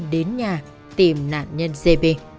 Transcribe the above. đến nhà tìm nạn nhân gb